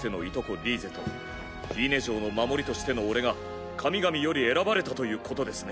リーゼとフィーネ嬢の守りとしての俺が神々より選ばれたということですね。